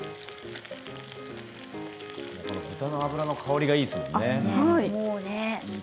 豚の脂の香りがいいですもんね。